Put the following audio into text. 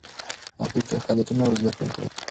هغوی ته ښه عادتونه ور زده کړئ.